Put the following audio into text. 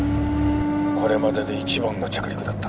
これまでで一番の着陸だった。